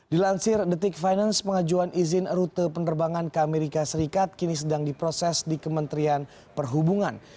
dilansir the tick finance pengajuan izin rute penerbangan ke amerika serikat kini sedang diproses di kementerian perhubungan